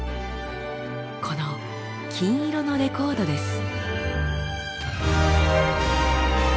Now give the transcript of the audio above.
この金色のレコードです。